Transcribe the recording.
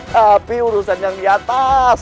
tapi urusan yang di atas